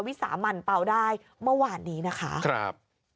วิสามันเปล่าได้เมื่อวานนี้นะคะครับ